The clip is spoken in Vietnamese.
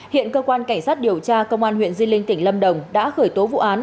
hiện cơ quan cảnh sát điều tra công an huyện di linh tỉnh lâm đồng đã khởi tố vụ án